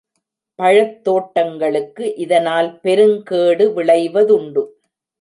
பழத் தோட்டங்களுக்கு இதனால் பெருங்கேடு விளைவதுண்டு.